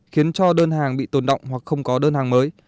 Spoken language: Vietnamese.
khiến cho đơn hàng bị tồn động hoặc không có đơn hàng mới